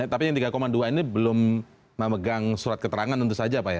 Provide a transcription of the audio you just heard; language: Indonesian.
tapi yang tiga dua ini belum memegang surat keterangan tentu saja pak ya